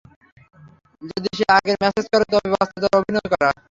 যদি সে আগেও ম্যাসেজ করে, তবে ব্যস্ততার অভিনয় করা।